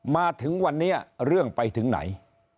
มาถึงวันนี้เรื่องไปถึงไหน